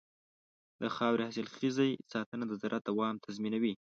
د خاورې حاصلخېزۍ ساتنه د زراعت دوام تضمینوي.